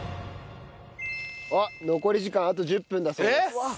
あっ残り時間あと１０分だそうです。